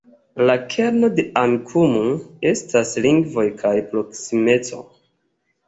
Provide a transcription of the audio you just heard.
La kerno de Amikumu estas lingvoj kaj proksimeco.